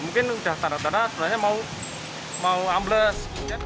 mungkin sudah tanda tanda sebenarnya mau ambles